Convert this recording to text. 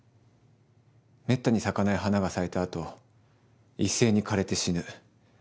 めったに咲かない花が咲いたあと一斉に枯れて死ぬ。